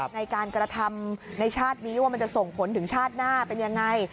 ในการกระทำในชาตินี้ว่ามันจะส่งผลถึงชาติหน้าเป็นยังไง